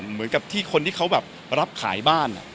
เหมือนกับที่คนที่เขาแบบรับขายบ้าน